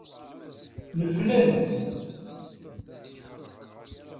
Neflent.